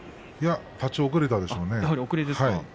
立ち遅れたんでしょうね。